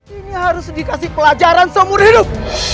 ini harus dikasih pelajaran seumur hidup